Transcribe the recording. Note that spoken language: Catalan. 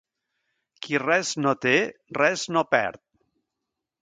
Qui res no té, res no perd.